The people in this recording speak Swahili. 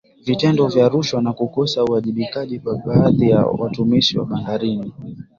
Vitendo vya rushwa na kukosa uwajibikaji kwa baadhi ya watumishi wa bandarini